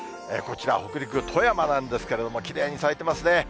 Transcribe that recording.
こちら、北陸・富山なんですけれども、きれいに咲いてますね。